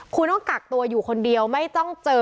คุณต้องกักตัวอยู่คนเดียวไม่ต้องเจอ